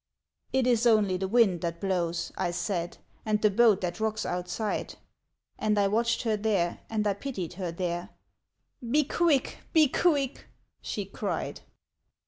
" It is only the wind that blows," I said, " And the boat that rocks outside." And I watched her there, and I pitied her there " Be quick ! be quick !" she cried.